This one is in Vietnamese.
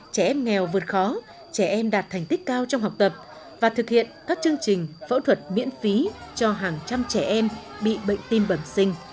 trẻ em nghèo vượt khó trẻ em đạt thành tích cao trong học tập và thực hiện các chương trình phẫu thuật miễn phí cho hàng trăm trẻ em bị bệnh tim bẩm sinh